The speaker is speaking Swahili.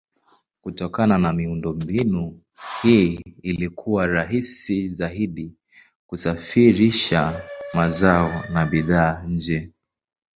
Kutokana na miundombinu hii ilikuwa rahisi zaidi kusafirisha mazao na bidhaa nje.